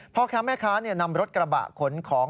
พ่อค้าแม่ค้านำรถกระบะขนของ